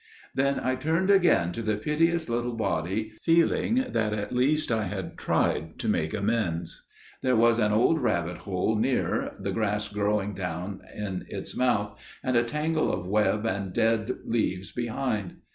"Then I turned again to the piteous little body, feeling that at least I had tried to make amends. There was an old rabbit hole near, the grass growing down in its mouth, and a tangle of web and dead leaves behind.